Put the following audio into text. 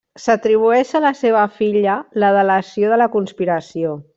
S'atribueix a la seva filla la delació de la conspiració.